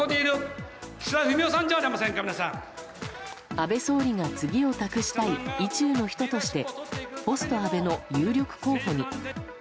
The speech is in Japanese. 安倍総理が次を託したい意中の人としてポスト安倍の有力候補に。